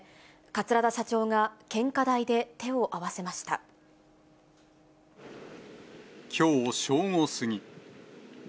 桂田社長が献花台で手を合わせまきょう正午過ぎ。